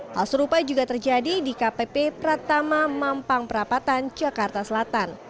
hal serupa juga terjadi di kpp pratama mampang perapatan jakarta selatan